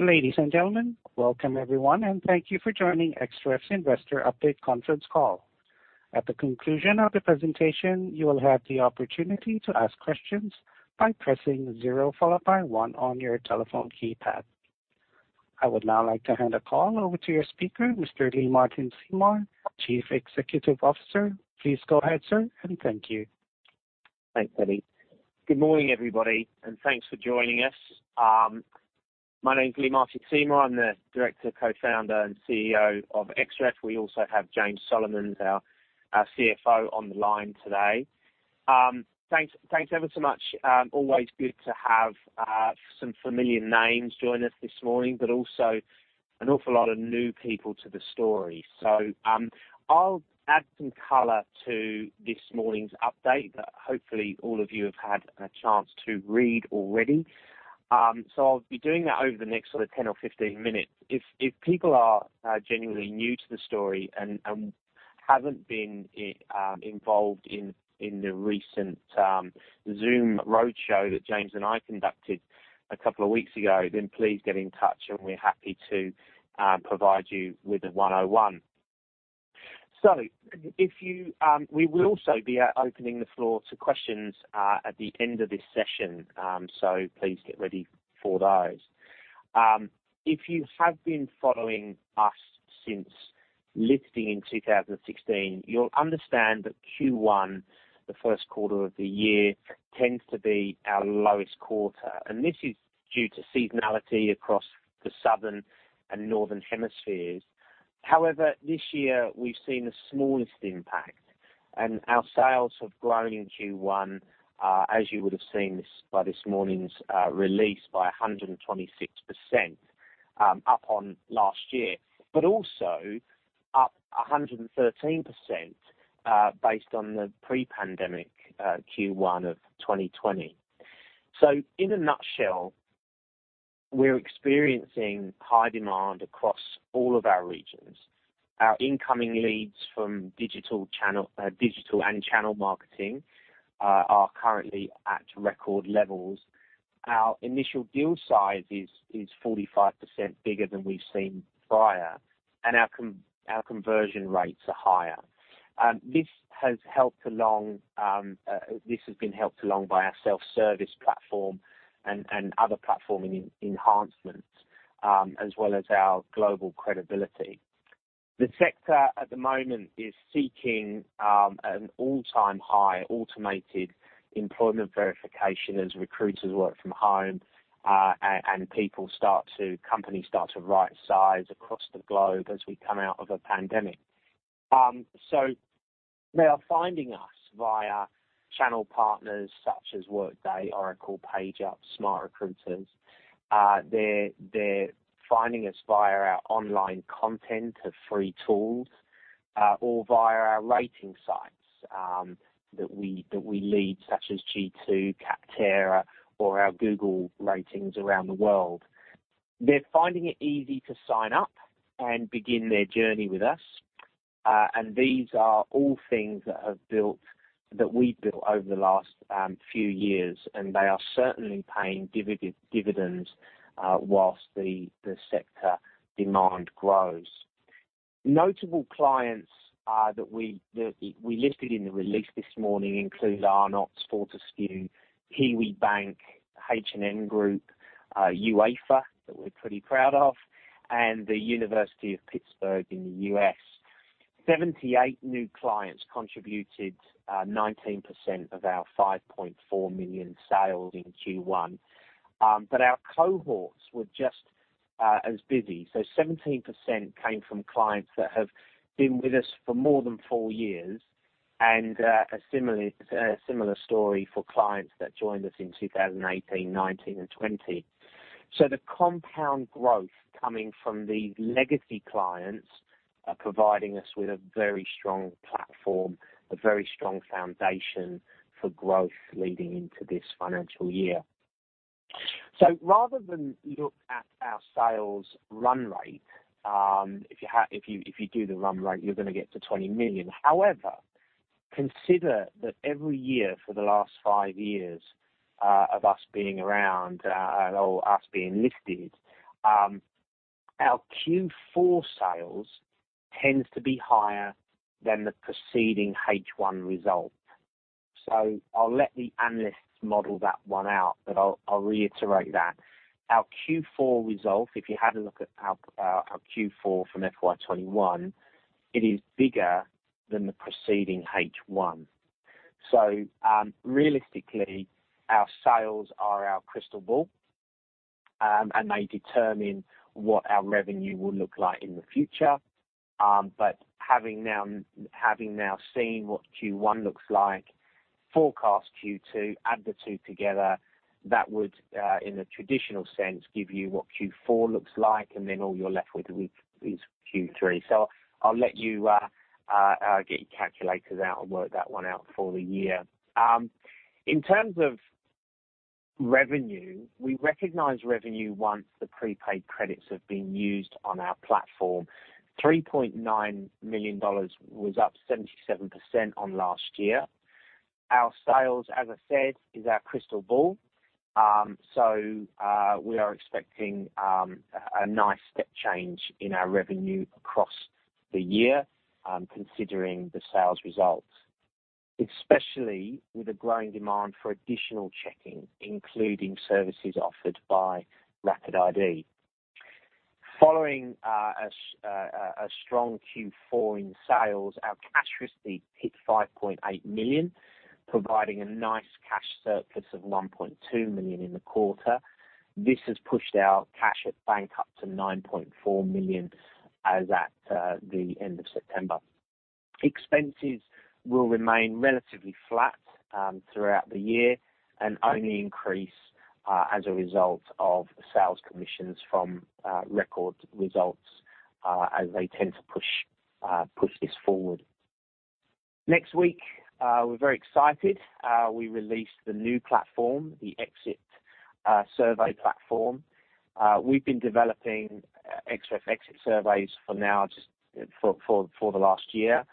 Ladies and gentlemen, welcome everyone, and thank you for joining Xref's investor update conference call. At the conclusion of the presentation, you will have the opportunity to ask questions by pressing zero followed by one on your telephone keypad. I would now like to hand the call over to your speaker, Mr. Lee Martin Seymour, Chief Executive Officer. Please go ahead, sir, and thank you. Thanks, Eddie. Good morning, everybody, thanks for joining us. My name is Lee-Martin Seymour. I'm the Director, Co-founder and CEO of Xref. We also have James Solomons, our CFO, on the line today. Thanks ever so much. Always good to have some familiar names join us this morning, but also an awful lot of new people to the story. I'll add some color to this morning's update that hopefully all of you have had a chance to read already. I'll be doing that over the next sort of 10 or 15 minutes. If people are genuinely new to the story and haven't been involved in the recent Zoom roadshow that James and I conducted a couple of weeks ago, please get in touch and we're happy to provide you with a 101. We will also be opening the floor to questions at the end of this session. Please get ready for those. If you have been following us since listing in 2016, you'll understand that Q1, the first quarter of the year, tends to be our lowest quarter, and this is due to seasonality across the southern and northern hemispheres. However, this year we've seen the smallest impact and our sales have grown in Q1, as you would have seen by this morning's release, by 126% up on last year, but also up 113%, based on the pre-pandemic Q1 of 2020. In a nutshell, we're experiencing high demand across all of our regions. Our incoming leads from digital and channel marketing are currently at record levels. Our initial deal size is 45% bigger than we've seen prior, and our conversion rates are higher. This has been helped along by our self-service platform and other platform enhancements, as well as our global credibility. The sector at the moment is seeking an all-time high automated employment verification as recruiters work from home and companies start to right size across the globe as we come out of the pandemic. They are finding us via channel partners such as Workday, Oracle, PageUp, SmartRecruiters. They're finding us via our online content of free tools or via our rating sites that we lead, such as G2, Capterra, or our Google ratings around the world. They're finding it easy to sign up and begin their journey with us. These are all things that we've built over the last few years, and they are certainly paying dividends whilst the sector demand grows. Notable clients that we listed in the release this morning include Arnott's, Fortescue, Kiwibank, H&M Group, UEFA, that we're pretty proud of, and the University of Pittsburgh in the U.S. 78 new clients contributed 19% of our 5.4 million sales in Q1. Our cohorts were just as busy. 17% came from clients that have been with us for more than four years, and a similar story for clients that joined us in 2018, 2019 and 2020. The compound growth coming from the legacy clients are providing us with a very strong platform, a very strong foundation for growth leading into this financial year. Rather than look at our sales run rate, if you do the run rate, you're going to get to 20 million. Consider that every year for the last five years of us being around, or us being listed, our Q4 sales tends to be higher than the preceding H1 result. I'll let the analysts model that one out. I'll reiterate that our Q4 results, if you had a look at our Q4 from FY 2021, it is bigger than the preceding H1. Realistically, our sales are our crystal ball, and they determine what our revenue will look like in the future. Having now seen what Q1 looks like, forecast Q2, add the two together, that would in a traditional sense give you what Q4 looks like, and then all you're left with is Q3. I'll let you get your calculators out and work that one out for the year. Revenue. We recognize revenue once the prepaid credits have been used on our platform. 3.9 million dollars was up 77% on last year. Our sales, as I said, is our crystal ball. We are expecting a nice step change in our revenue across the year considering the sales results, especially with the growing demand for additional checking, including services offered by RapidID. Following a strong Q4 in sales, our cash receipts hit 5.8 million, providing a nice cash surplus of 1.2 million in the quarter. This has pushed our cash at bank up to 9.4 million as at the end of September. Expenses will remain relatively flat throughout the year and only increase as a result of sales commissions from record results, as they tend to push this forward. Next week, we're very excited. We release the new platform, the exit survey platform. We've been developing Xref Exit Surveys for the last year.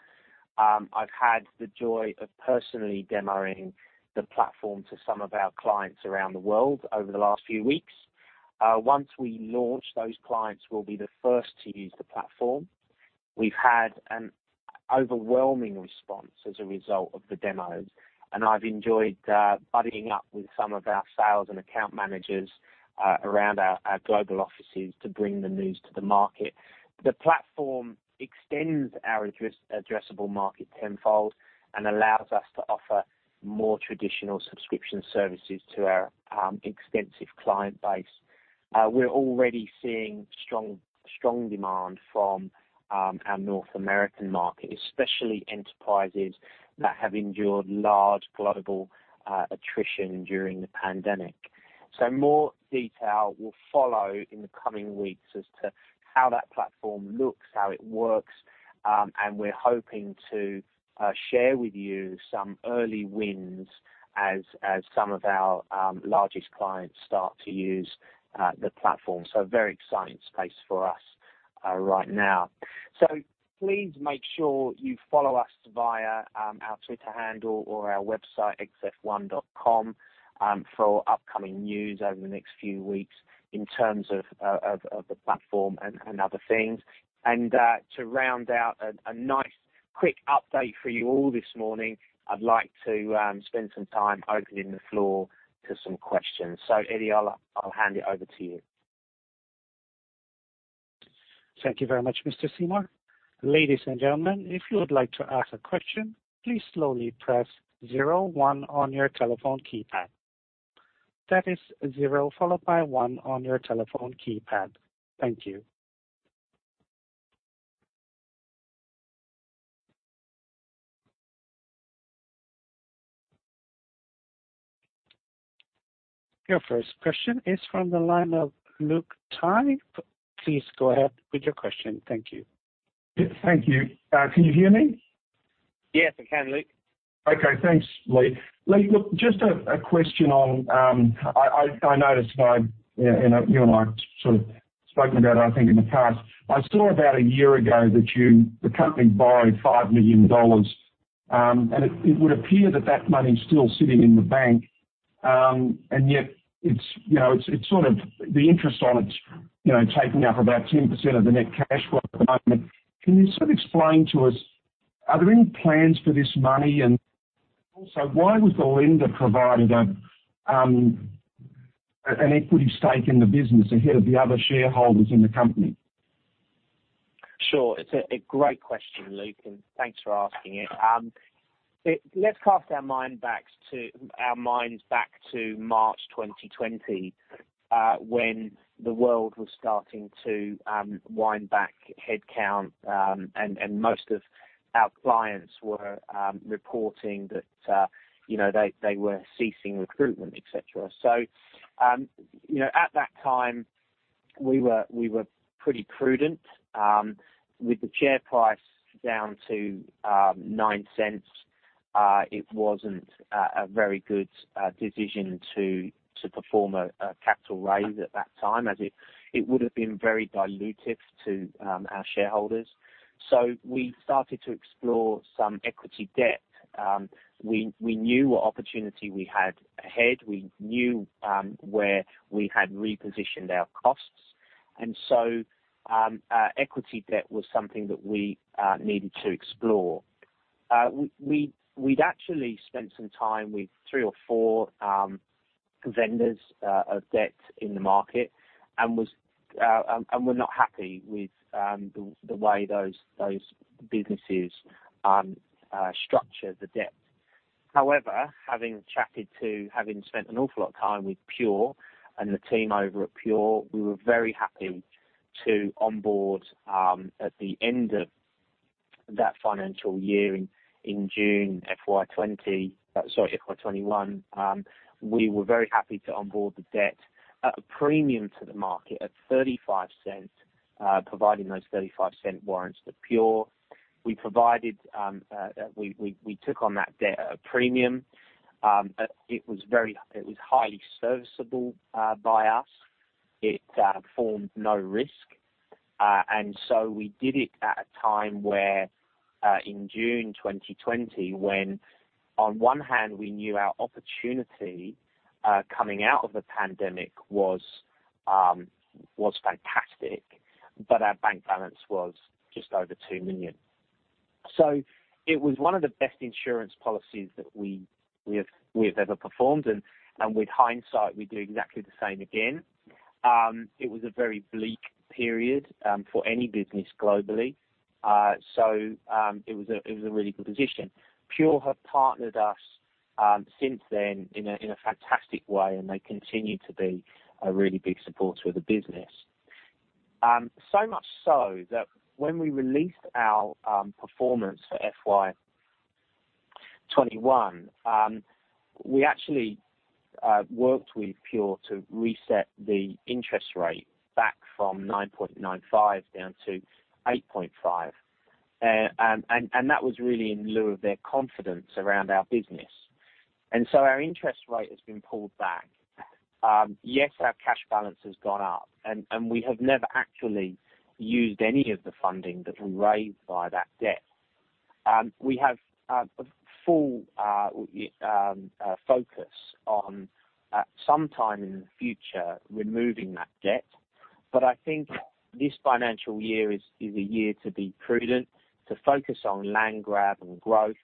I've had the joy of personally demoing the platform to some of our clients around the world over the last few weeks. Once we launch, those clients will be the first to use the platform. We've had an overwhelming response as a result of the demos, and I've enjoyed buddying up with some of our sales and account managers around our global offices to bring the news to the market. The platform extends our addressable market tenfold and allows us to offer more traditional subscription services to our extensive client base. We're already seeing strong demand from our North American market, especially enterprises that have endured large palpable attrition during the pandemic. More detail will follow in the coming weeks as to how that platform looks, how it works, and we're hoping to share with you some early wins as some of our largest clients start to use the platform. Very exciting space for us right now. Please make sure you follow us via our Twitter handle or our website, xref.com, for upcoming news over the next few weeks in terms of the platform and other things. To round out a nice quick update for you all this morning, I'd like to spend some time opening the floor to some questions. Eddie, I'll hand it over to you. Thank you very much, Mr. Seymour. Ladies and gentlemen, if you would like to ask a question, please slowly press zero one on your telephone keypad. That is zero followed by one on your telephone keypad. Thank you. Your first question is from the line of Luke Tai. Please go ahead with your question. Thank you. Thank you. Can you hear me? Yes, I can, Luke. Okay. Thanks, Lee. Lee, look, I noticed, and you and I sort of spoken about it, I think, in the past. I saw about one year ago that the company borrowed 5 million dollars. It would appear that that money's still sitting in the bank, and yet the interest on it is taking up about 10% of the net cash flow at the moment. Can you sort of explain to us, are there any plans for this money? Also, why was the lender provided an equity stake in the business ahead of the other shareholders in the company? Sure. It's a great question, Luke, and thanks for asking it. Let's cast our minds back to March 2020, when the world was starting to wind back headcount, and most of our clients were reporting that they were ceasing recruitment, et cetera. At that time, we were pretty prudent. With the share price down to 0.09, it wasn't a very good decision to perform a capital raise at that time, as it would have been very dilutive to our shareholders. We started to explore some equity debt. We knew what opportunity we had ahead. We knew where we had repositioned our costs. Equity debt was something that we needed to explore. We'd actually spent some time with three or four vendors of debt in the market and were not happy with the way those businesses structured the debt. Having spent an awful lot of time with PURE and the team over at PURE, we were very happy to onboard at the end of that financial year in June FY 2021. We were very happy to onboard the debt at a premium to the market at 0.35, providing those AUD 0.35-warrants to PURE. We took on that debt premium. It was highly serviceable by us. It formed no risk. We did it at a time where, in June 2020, when on one hand, we knew our opportunity coming out of the pandemic was fantastic, but our bank balance was just over 2 million. It was one of the best insurance policies that we have ever performed. With hindsight, we'd do exactly the same again. It was a very bleak period for any business globally. It was a really good position. PURE have partnered us since then in a fantastic way, and they continue to be a really big supporter to the business. Much so that when we released our performance for FY 2021, we actually worked with PURE to reset the interest rate back from 9.95% down to 8.5%, and that was really in lieu of their confidence around our business. Our interest rate has been pulled back. Yes, our cash balance has gone up, and we have never actually used any of the funding that we raised by that debt. We have a full focus on, at some time in the future, removing that debt. I think this financial year is a year to be prudent, to focus on land grab and growth,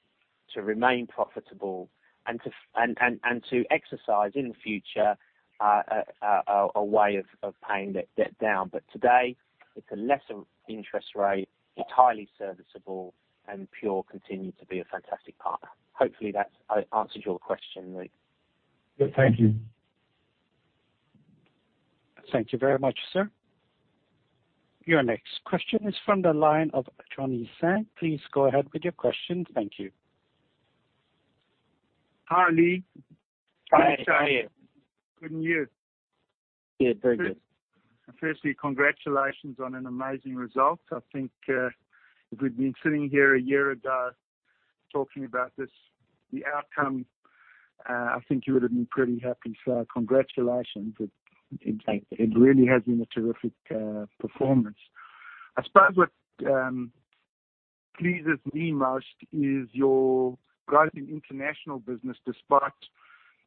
to remain profitable and to exercise in the future a way of paying that debt down. Today, it's a lesser interest rate, entirely serviceable, and Pure continue to be a fantastic partner. Hopefully that answers your question, Luke. Thank you. Thank you very much, sir. Your next question is from the line of Johnny Sang. Please go ahead with your question. Thank you. Hi, Lee. Hi, Johnny. Good and you? Yeah, very good. Firstly, congratulations on an amazing result. I think if we'd been sitting here a year ago talking about this, the outcome, I think you would have been pretty happy. Congratulations. Thank you. It really has been a terrific performance. I suppose what pleases me most is your growing international business despite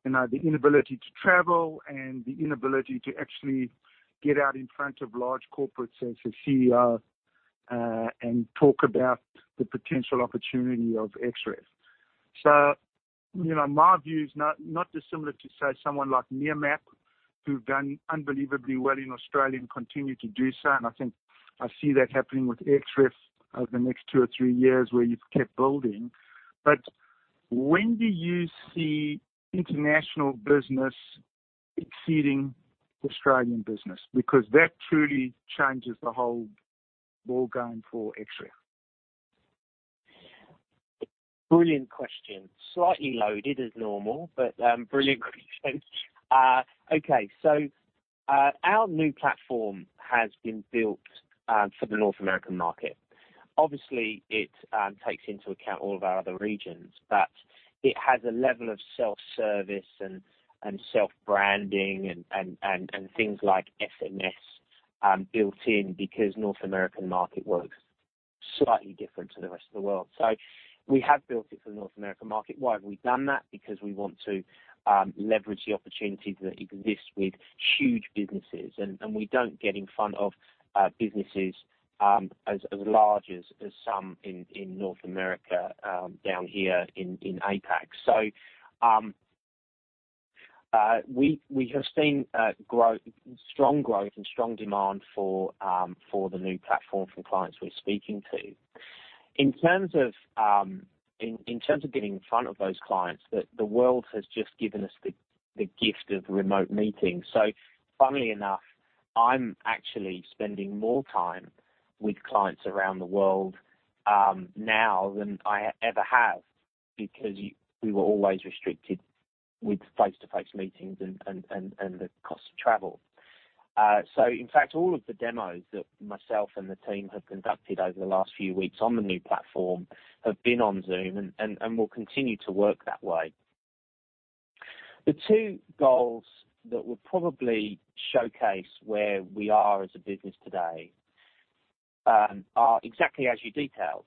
the inability to travel and the inability to actually get out in front of large corporates as a CEO and talk about the potential opportunity of Xref. My view is not dissimilar to, say, someone like Nearmap, who've done unbelievably well in Australia and continue to do so, and I think I see that happening with Xref over the next two or three years where you've kept building. When do you see international business exceeding Australian business? That truly changes the whole ballgame for Xref. Brilliant question. Slightly loaded as normal, brilliant question. Our new platform has been built for the North American market. Obviously, it takes into account all of our other regions, it has a level of self-service and self-branding and things like SMS built in because North American market works slightly different to the rest of the world. We have built it for the North American market. Why have we done that? We want to leverage the opportunities that exist with huge businesses, and we don't get in front of businesses as large as some in North America down here in APAC. We have seen strong growth and strong demand for the new platform from clients we're speaking to. In terms of getting in front of those clients, the world has just given us the gift of remote meetings. Funnily enough, I'm actually spending more time with clients around the world now than I ever have, because we were always restricted with face-to-face meetings and the cost of travel. In fact, all of the demos that myself and the team have conducted over the last few weeks on the new platform have been on Zoom and will continue to work that way. The two goals that will probably showcase where we are as a business today are exactly as you detailed.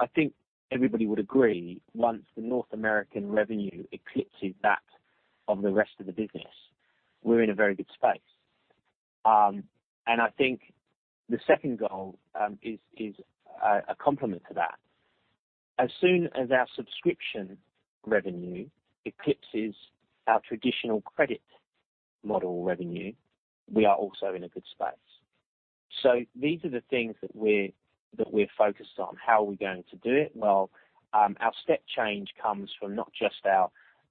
I think everybody would agree once the North American revenue eclipses that of the rest of the business, we're in a very good space. I think the second goal is a complement to that. As soon as our subscription revenue eclipses our traditional credit model revenue, we are also in a good space. These are the things that we're focused on. How are we going to do it? Well, our step change comes from not just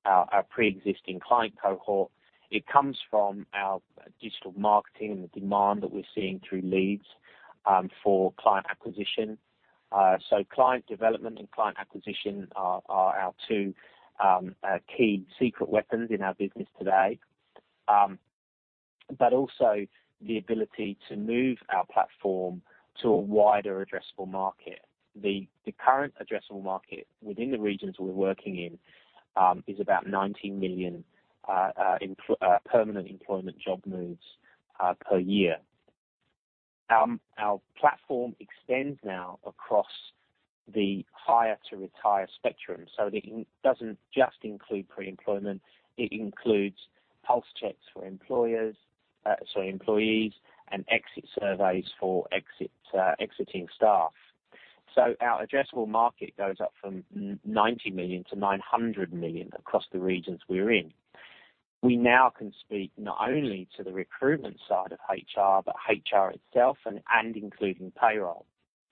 our preexisting client cohort. It comes from our digital marketing and the demand that we're seeing through leads for client acquisition. Client development and client acquisition are our two key secret weapons in our business today. Also the ability to move our platform to a wider addressable market. The current addressable market within the regions we're working in is about 90 million permanent employment job moves per year. Our platform extends now across the hire to retire spectrum, so it doesn't just include pre-employment. It includes pulse checks for employees and exit surveys for exiting staff. Our addressable market goes up from 90 million to 900 million across the regions we're in. We now can speak not only to the recruitment side of HR, but HR itself and including payroll.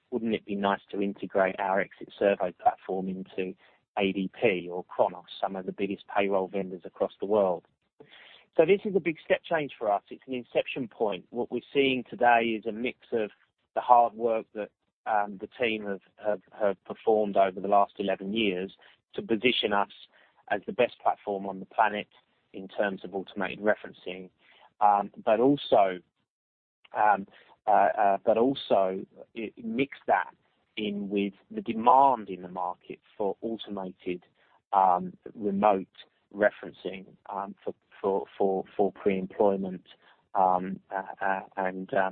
Wouldn't it be nice to integrate our Exit Survey platform into ADP or Kronos, some of the biggest payroll vendors across the world? This is a big step change for us. It's an inception point. What we're seeing today is a mix of the hard work that the team have performed over the last 11 years to position us as the best platform on the planet in terms of automated referencing. Also, mix that in with the demand in the market for automated remote referencing for pre-employment and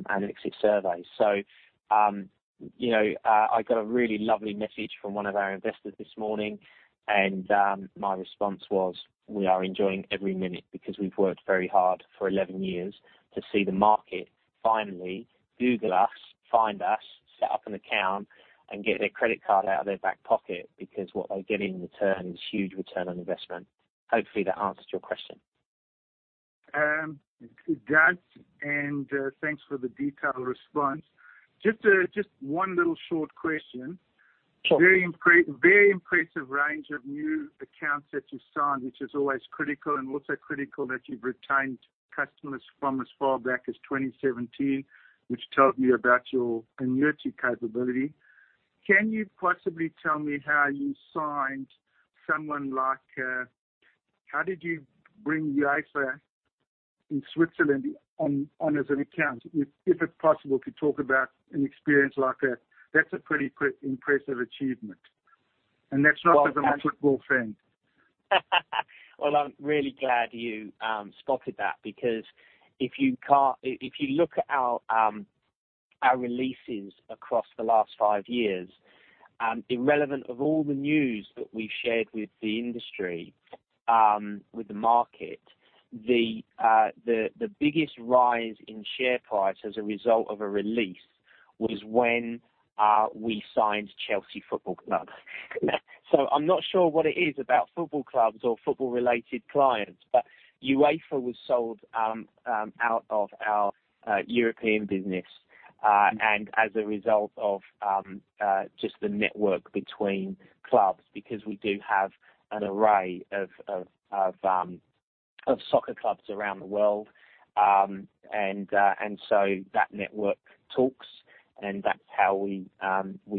Exit Surveys. I got a really lovely message from one of our investors this morning, and my response was, we are enjoying every minute because we've worked very hard for 11 years to see the market finally Google us, find us, set up an account, and get their credit card out of their back pocket because what they get in return is huge return on investment. Hopefully that answers your question? It does, and thanks for the detailed response. Just one little short question. Sure. Very impressive range of new accounts that you signed, which is always critical, and also critical that you've retained customers from as far back as 2017, which tells me about your annuity capability. Can you possibly tell me how did you bring UEFA in Switzerland on as an account? If it's possible to talk about an experience like that's a pretty impressive achievement. That's not as a football fan. I'm really glad you spotted that because if you look at our releases across the last five years, irrelevant of all the news that we've shared with the industry, with the market, the biggest rise in share price as a result of a release was when we signed Chelsea Football Club. I'm not sure what it is about football clubs or football-related clients, but UEFA was sold out of our European business. As a result of just the network between clubs, because we do have an array of soccer clubs around the world. That network talks, and that's how we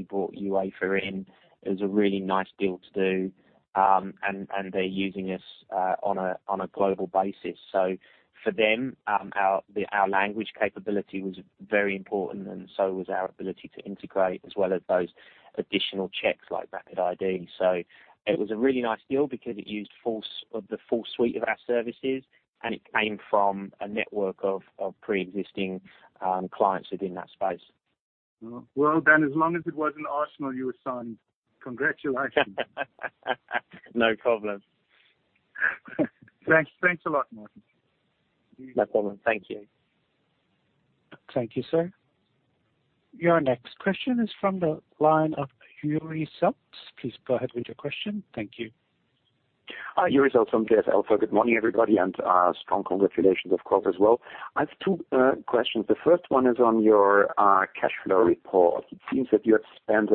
brought UEFA in. It was a really nice deal to do, and they're using us on a global basis. For them, our language capability was very important, and so was our ability to integrate as well as those additional checks like RapidID. It was a really nice deal because it used the full suite of our services, and it came from a network of preexisting clients within that space. Well, as long as it wasn't Arsenal you were signed, congratulations. No problem. Thanks a lot, Martin. No problem. Thank you. Thank you, sir. Your next question is from the line of Yuri Selk. Please go ahead with your question. Thank you. Yuri Selk from J.S. Alpha. Good morning, everybody, strong congratulations, of course, as well. I have two questions. The first one is on your cash flow report. It seems that you have spent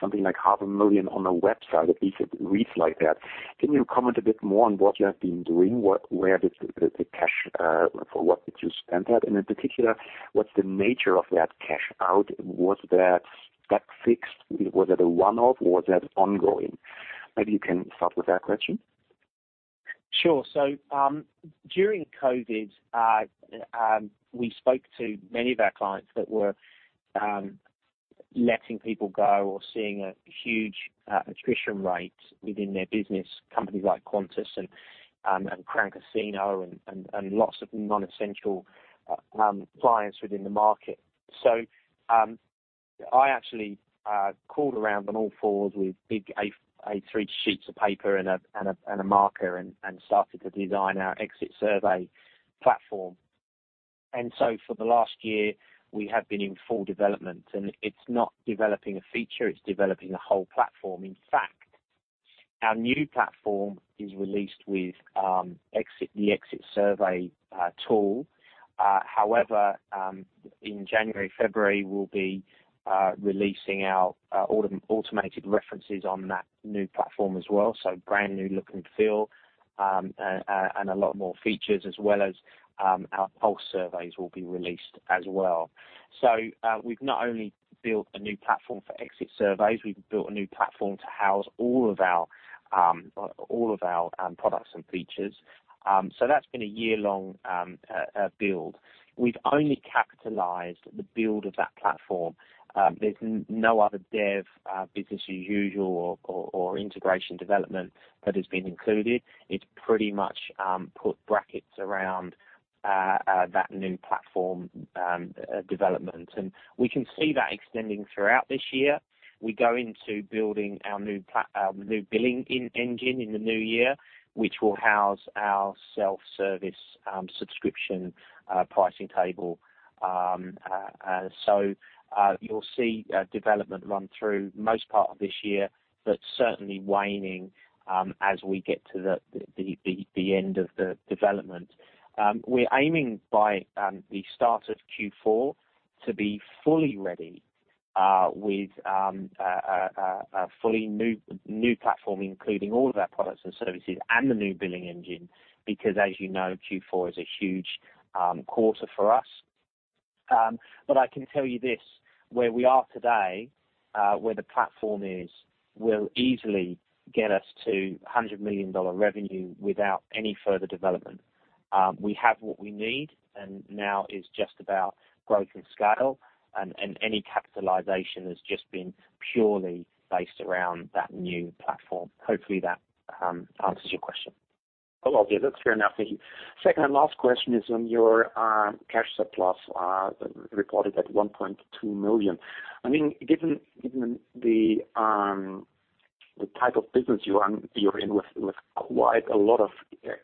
something like half a million on a website, at least it reads like that. Can you comment a bit more on what you have been doing? For what did you spend that? In particular, what's the nature of that cash out? Was that fixed? Was it a one-off, or was that ongoing? Maybe you can start with that question. Sure. During COVID, we spoke to many of our clients that were letting people go or seeing a huge attrition rate within their business, companies like Qantas and Crown Casino and lots of non-essential clients within the market. I actually called around on all fours with big A3 sheets of paper and a marker and started to design our exit survey platform. For the last year, we have been in full development, and it's not developing a feature, it's developing a whole platform. In fact, our new platform is released with the exit survey tool. In January, February, we'll be releasing our automated references on that new platform as well. Brand-new look and feel, and a lot more features as well as our pulse surveys will be released as well. We've not only built a new platform for Xref Exit Surveys, we've built a new platform to house all of our products and features. That's been a year-long build. We've only capitalized the build of that platform. There's no other dev, business as usual or integration development that has been included. It's pretty much put brackets around that new platform development. We can see that extending throughout this year. We go into building our new billing engine in the new year, which will house our self-service subscription pricing table. You'll see development run through most part of this year, but certainly waning as we get to the end of the development. We're aiming by the start of Q4 to be fully ready with a fully new platform, including all of our products and services and the new billing engine. As you know, Q4 is a huge quarter for us. I can tell you this, where we are today where the platform is, will easily get us to 100 million dollar revenue without any further development. We have what we need, and now is just about growth and scale, and any capitalization has just been purely based around that new platform. Hopefully that answers your question. Oh, okay. That's fair enough. Thank you. Second and last question is on your cash surplus, reported at 1.2 million. Given the type of business you're in with quite a lot of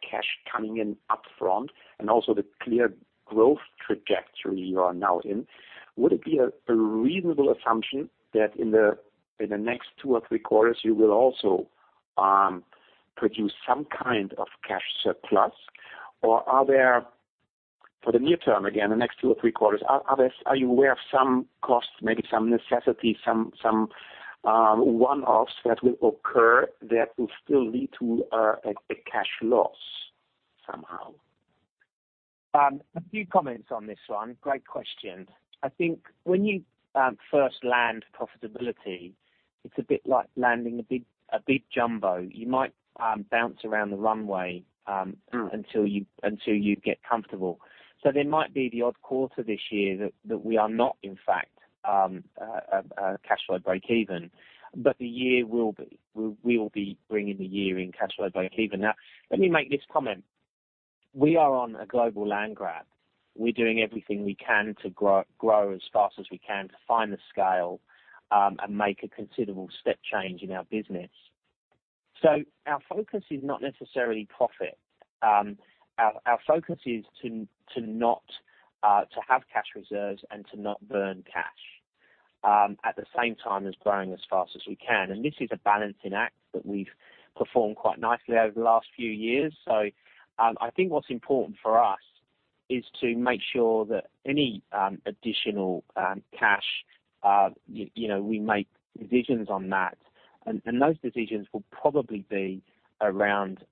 cash coming in upfront and also the clear growth trajectory you are now in, would it be a reasonable assumption that in the next two or three quarters you will also produce some kind of cash surplus? Are there, for the near term, again, the next two or three quarters, are you aware of some costs, maybe some necessity, some one-offs that will occur that will still lead to a cash loss somehow? A few comments on this one. Great question. I think when you first land profitability, it's a bit like landing a big jumbo. You might bounce around the runway until you get comfortable. There might be the odd quarter this year that we are not, in fact, cash flow breakeven. The year will be. We will be bringing the year in cash flow breakeven. Now, let me make this comment. We are on a global land grab. We're doing everything we can to grow as fast as we can, to find the scale, and make a considerable step change in our business. Our focus is not necessarily profit. Our focus is to have cash reserves and to not burn cash, at the same time as growing as fast as we can. This is a balancing act that we've performed quite nicely over the last few years. I think what's important for us is to make sure that any additional cash, we make decisions on that. Those decisions will probably be around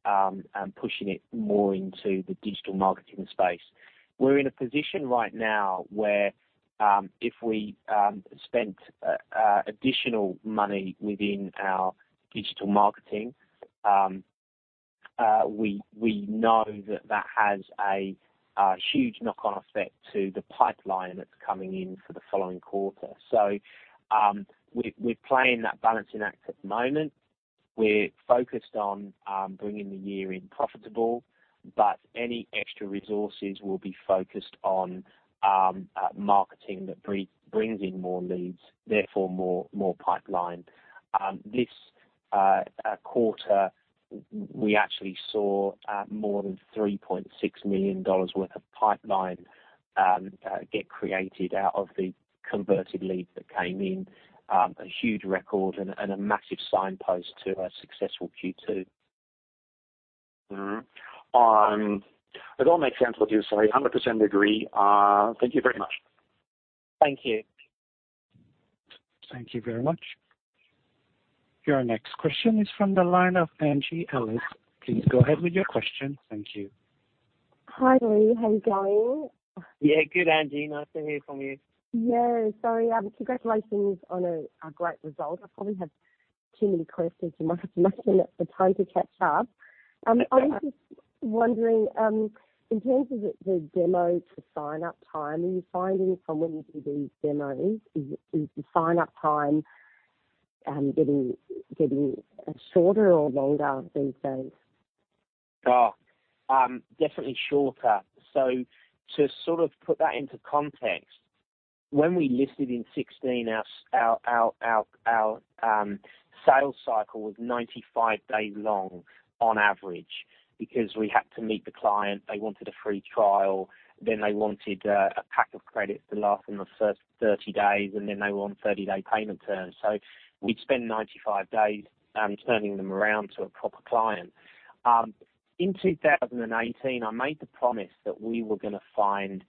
pushing it more into the digital marketing space. We're in a position right now where if we spent additional money within our digital marketing, we know that that has a huge knock-on effect to the pipeline that's coming in for the following quarter. We're playing that balancing act at the moment. We're focused on bringing the year in profitable, but any extra resources will be focused on marketing that brings in more leads, therefore more pipeline. This quarter, we actually saw more than 3.6 million dollars worth of pipeline get created out of the converted leads that came in. A huge record and a massive signpost to a successful Q2. Mm-hmm. It all makes sense what you're saying. 100% agree. Thank you very much. Thank you. Thank you very much. Your next question is from the line of Angie Ellis. Please go ahead with your question. Thank you. Hi, Lee. How you going? Yeah, good, Angie. Nice to hear from you. Yeah. Congratulations on a great result. I probably have too many questions. You might have to mention it for time to catch up. I was just wondering in terms of the demo to sign-up time, are you finding from when you do these demos, is the sign-up time getting shorter or longer these days? Oh, definitely shorter. To sort of put that into context, when we listed in 2016, our sales cycle was 95 days long on average because we had to meet the client. They wanted a free trial, then they wanted a pack of credits to last them the first 30 days, and then they were on 30-day payment terms. We'd spend 95 days turning them around to a proper client. In 2018, I made the promise that we were going to find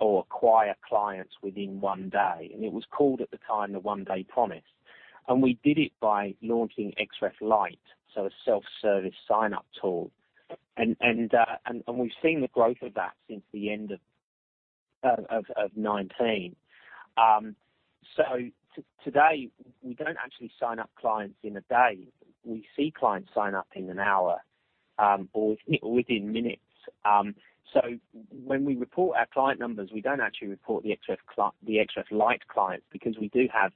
or acquire clients within one day, and it was called at the time the One Day Promise. We did it by launching Xref Lite, so a self-service sign-up tool. We've seen the growth of that since the end of 2019. Today, we don't actually sign up clients in 1 day. We see clients sign up in 1 hour, or within minutes. When we report our client numbers, we don't actually report the Xref Lite clients because we do have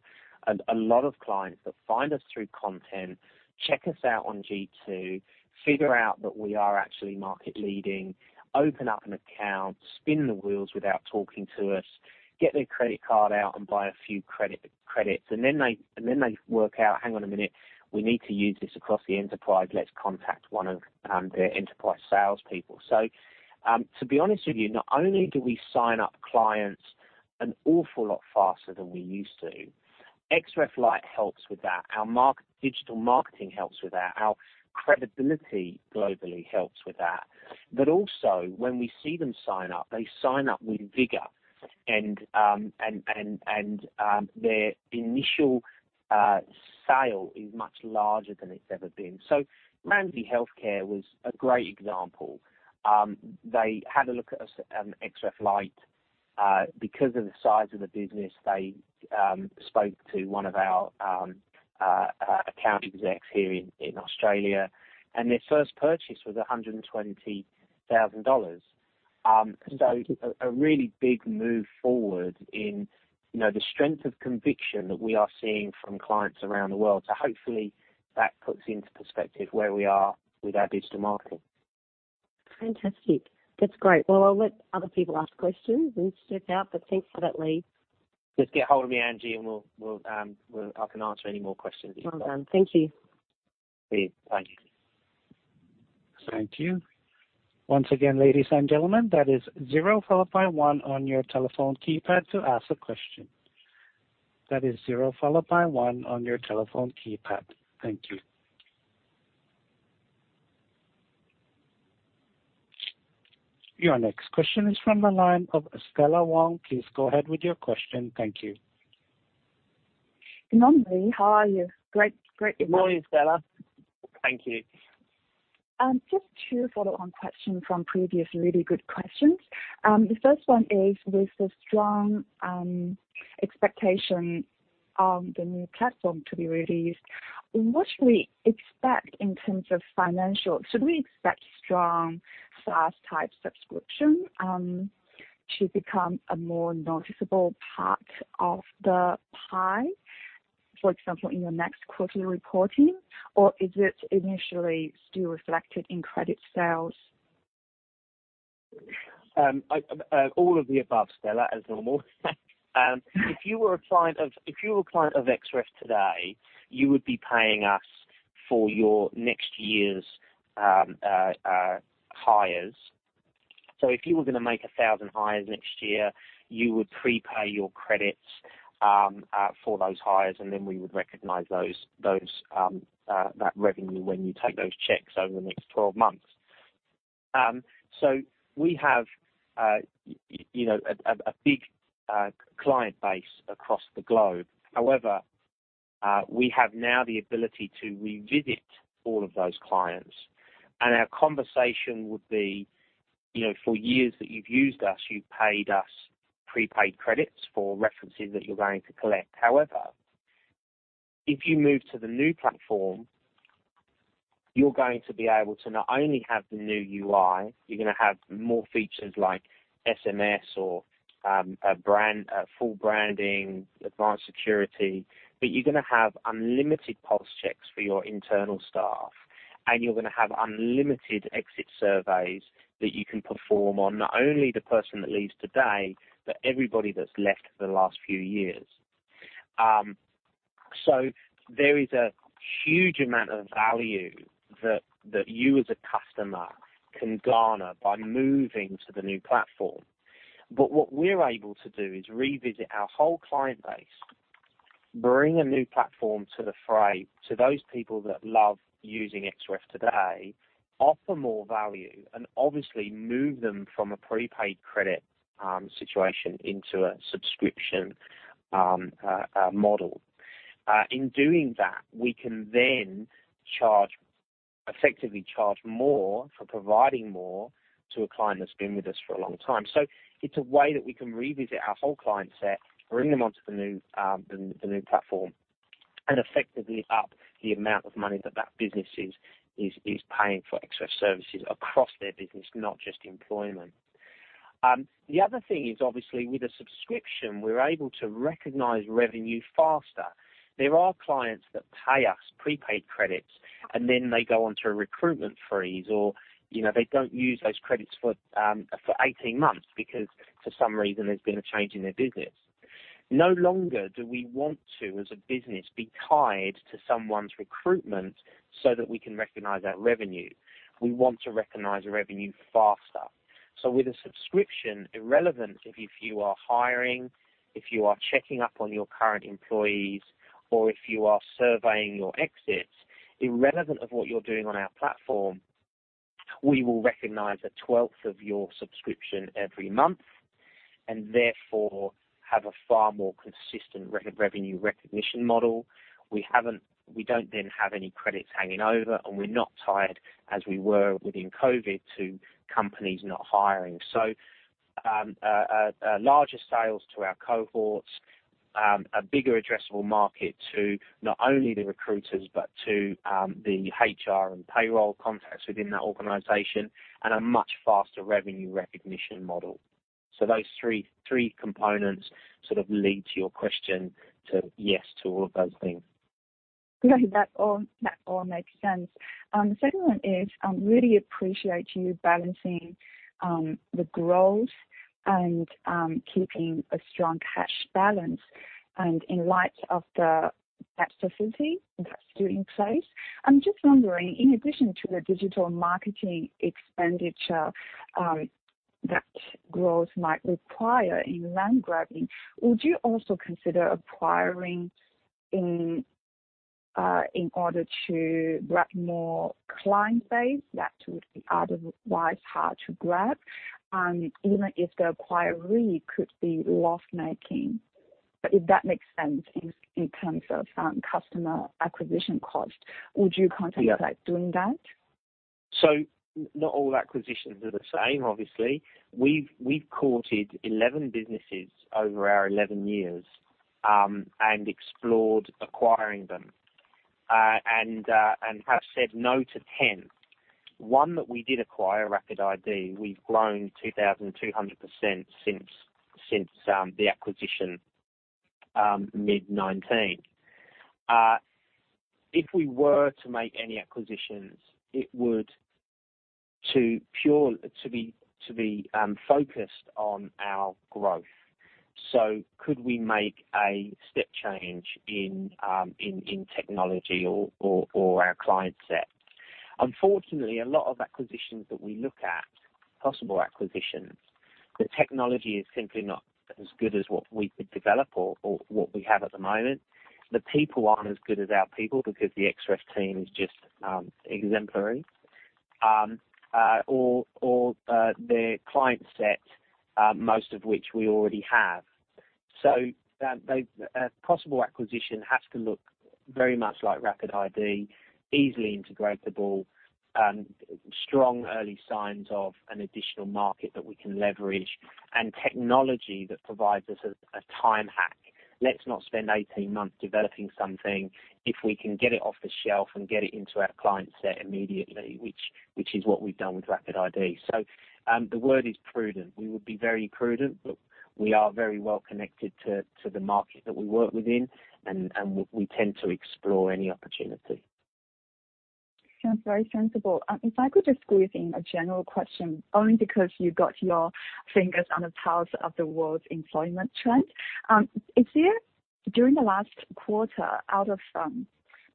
a lot of clients that find us through content, check us out on G2, figure out that we are actually market leading, open up an account, spin the wheels without talking to us, get their credit card out and buy a few credits. They work out, hang on a minute, we need to use this across the enterprise. Let's contact one of their enterprise salespeople. To be honest with you, not only do we sign up clients an awful lot faster than we used to, Xref Lite helps with that. Our digital marketing helps with that. Our credibility globally helps with that. Also, when we see them sign up, they sign up with vigor and their initial sale is much larger than it's ever been. Ramsay Health Care was a great example. They had a look at Xref Lite. Because of the size of the business, they spoke to one of our account execs here in Australia, and their first purchase was 120,000 dollars. A really big move forward in the strength of conviction that we are seeing from clients around the world. Hopefully, that puts into perspective where we are with our digital marketing. Fantastic. That's great. Well, I'll let other people ask questions and sift out, but thanks for that, Lee. Just get a hold of me, Angie, and I can answer any more questions if you've got them. Well done. Thank you. Thank you. Your next question is from the line of Estella Wong. Please go ahead with your question. Thank you. Good morning, Lee. How are you? Great effort. Morning, Estella. Thank you. Just two follow-on questions from previous really good questions. The first one is, with the strong expectation of the new platform to be released, what should we expect in terms of financials? Should we expect strong SaaS-type subscription to become a more noticeable part of the pie, for example, in your next quarterly reporting, or is it initially still reflected in credit sales? All of the above, Estella, as normal. If you were a client of Xref today, you would be paying us for your next year's hires. If you were going to make 1,000 hires next year, you would prepay your credits for those hires, and then we would recognize that revenue when you take those checks over the next 12 months. We have a big client base across the globe. However, we have now the ability to revisit all of those clients, and our conversation would be, for years that you've used us, you've paid us prepaid credits for references that you're going to collect. However, if you move to the new platform, you're going to be able to not only have the new UI, you're going to have more features like SMS or full branding, advanced security, but you're going to have unlimited pulse checks for your internal staff, and you're going to have unlimited exit surveys that you can perform on not only the person that leaves today, but everybody that's left for the last few years. There is a huge amount of value that you as a customer can garner by moving to the new platform. What we're able to do is revisit our whole client base, bring a new platform to the fray to those people that love using Xref today, offer more value, and obviously move them from a prepaid credit situation into a subscription model. In doing that, we can then effectively charge more for providing more to a client that's been with us for a long time. It's a way that we can revisit our whole client set, bring them onto the new platform, and effectively up the amount of money that that business is paying for Xref services across their business, not just employment. The other thing is, obviously, with a subscription, we're able to recognize revenue faster. There are clients that pay us prepaid credits, and then they go onto a recruitment freeze, or they don't use those credits for 18 months because for some reason there's been a change in their business. No longer do we want to, as a business, be tied to someone's recruitment so that we can recognize our revenue. We want to recognize the revenue faster. With a subscription, irrelevant if you are hiring, if you are checking up on your current employees, or if you are surveying your exits, irrelevant of what you're doing on our platform. We will recognize a 12th of your subscription every month and, therefore, have a far more consistent revenue recognition model. We don't have any credits hanging over, and we're not tied as we were within COVID to companies not hiring. Larger sales to our cohorts, a bigger addressable market to not only the recruiters but to the HR and payroll contacts within that organization and a much faster revenue recognition model. Those three components sort of lead to your question to yes to all of those things. Great. That all makes sense. The second one is, I really appreciate you balancing the growth and keeping a strong cash balance. In light of the uncertainty that's still in place, I'm just wondering, in addition to the digital marketing expenditure that growth might require in land grabbing, would you also consider acquiring in order to grab more client base that would be otherwise hard to grab? Even if the acquiree could be loss-making, but if that makes sense in terms of customer acquisition cost, would you contemplate? Yeah doing that? Not all acquisitions are the same obviously. We've courted 11 businesses over our 11 years, and explored acquiring them. Have said no to 10. One that we did acquire, RapidID, we've grown 2,200% since the acquisition mid 2019. If we were to make any acquisitions, it would to be focused on our growth. Could we make a step change in technology or our client set? Unfortunately, a lot of acquisitions that we look at, possible acquisitions, the technology is simply not as good as what we could develop or what we have at the moment. The people aren't as good as our people because the Xref team is just exemplary. The client set, most of which we already have. A possible acquisition has to look very much like RapidID, easily integratable, strong early signs of an additional market that we can leverage, and technology that provides us a time hack. Let's not spend 18 months developing something if we can get it off the shelf and get it into our client set immediately, which is what we've done with RapidID. The word is prudent. We would be very prudent, we are very well connected to the market that we work within, and we tend to explore any opportunity. Sounds very sensible. If I could just squeeze in a general question, only because you got your fingers on the pulse of the world's employment trend. During the last quarter, out of some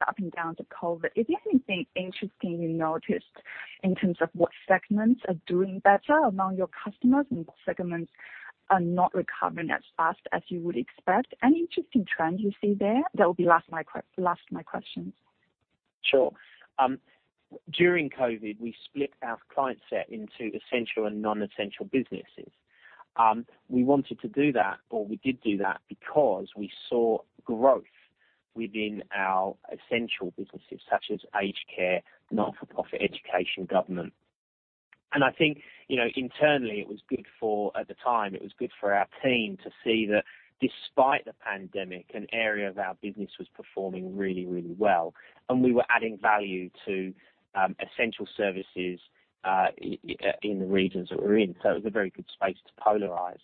up and down to COVID, is there anything interesting you noticed in terms of what segments are doing better among your customers and what segments are not recovering as fast as you would expect? Any interesting trends you see there? That will be last of my questions. Sure. During COVID, we split our client set into essential and non-essential businesses. We wanted to do that, or we did do that because we saw growth within our essential businesses such as aged care, not-for-profit education, government. I think internally, at the time, it was good for our team to see that despite the pandemic, an area of our business was performing really, really well, and we were adding value to essential services in the regions that we're in. It was a very good space to polarize.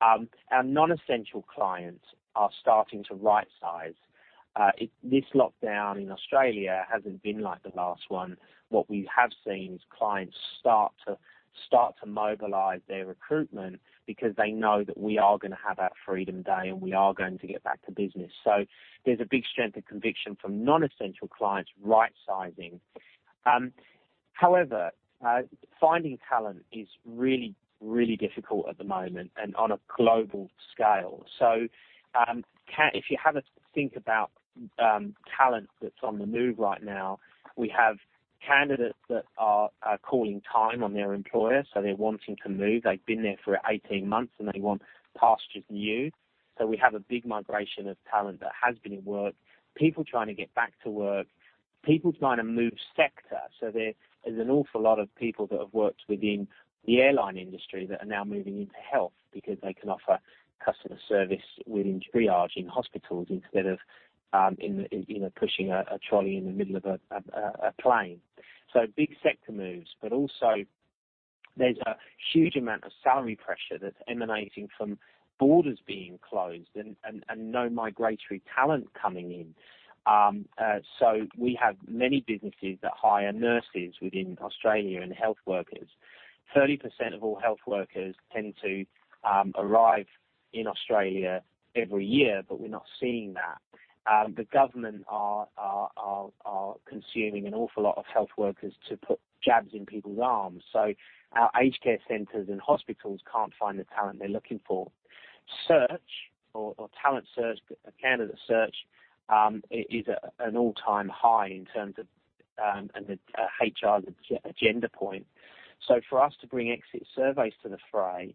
Our non-essential clients are starting to rightsize. This lockdown in Australia hasn't been like the last one. What we have seen is clients start to mobilize their recruitment because they know that we are going to have our freedom day and we are going to get back to business. There's a big strength of conviction from non-essential clients rightsizing. However, finding talent is really, really difficult at the moment and on a global scale. If you have a think about talent that's on the move right now, we have candidates that are calling time on their employer, so they're wanting to move. They've been there for 18 months, and they want pastures new. We have a big migration of talent that has been in work, people trying to get back to work, people trying to move sector. There is an awful lot of people that have worked within the airline industry that are now moving into health because they can offer customer service within triage in hospitals instead of pushing a trolley in the middle of a plane. Big sector moves, but also there's a huge amount of salary pressure that's emanating from borders being closed and no migratory talent coming in. We have many businesses that hire nurses within Australia and health workers. 30% of all health workers tend to arrive in Australia every year, but we're not seeing that. The government are consuming an awful lot of health workers to put jabs in people's arms. Our aged care centers and hospitals can't find the talent they're looking for. Search or talent search, candidate search, is at an all-time high in terms of HR agenda point. For us to bring Xref Exit Surveys to the fray,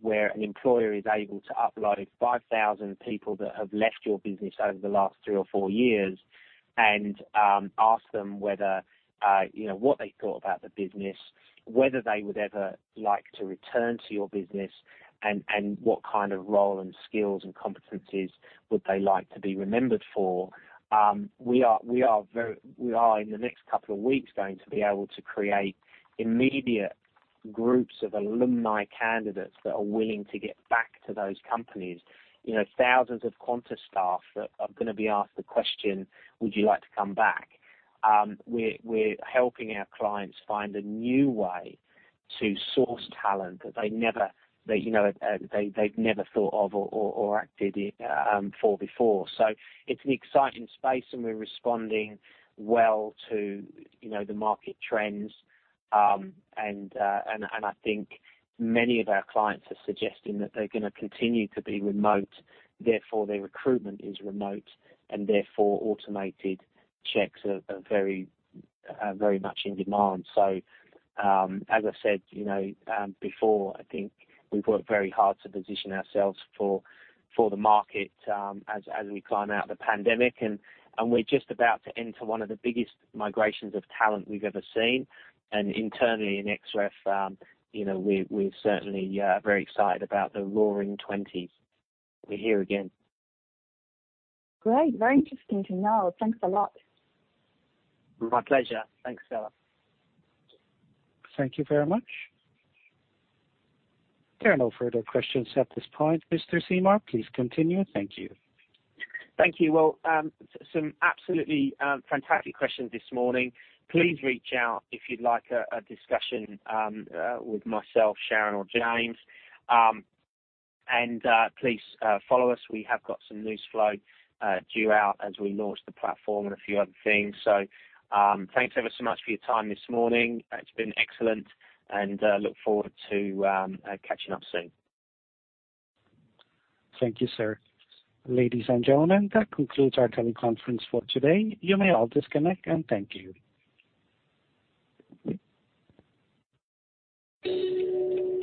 where an employer is able to upload 5,000 people that have left your business over the last three or four years and ask them what they thought about the business, whether they would ever like to return to your business, and what kind of role and skills and competencies would they like to be remembered for. We are, in the next couple of weeks, going to be able to create immediate groups of alumni candidates that are willing to get back to those companies. Thousands of Qantas staff that are going to be asked the question, "Would you like to come back?" We're helping our clients find a new way to source talent that they've never thought of or acted for before. It's an exciting space, and we're responding well to the market trends. I think many of our clients are suggesting that they're going to continue to be remote, therefore their recruitment is remote, and therefore automated checks are very much in demand. As I said before, I think we've worked very hard to position ourselves for the market as we climb out of the pandemic. We're just about to enter one of the biggest migrations of talent we've ever seen. Internally in Xref, we're certainly very excited about the roaring 2020s. We're here again. Great. Very interesting to know. Thanks a lot. My pleasure. Thanks, Stella. Thank you very much. There are no further questions at this point, Mr. Seymour. Please continue. Thank you. Thank you. Well, some absolutely fantastic questions this morning. Please reach out if you'd like a discussion with myself, Sharon, or James. Please follow us. We have got some news flow due out as we launch the platform and a few other things. Thanks ever so much for your time this morning. It's been excellent, and look forward to catching up soon. Thank you, sir. Ladies and gentlemen, that concludes our teleconference for today. You may all disconnect, and thank you.